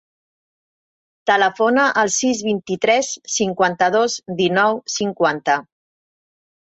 Telefona al sis, vint-i-tres, cinquanta-dos, dinou, cinquanta.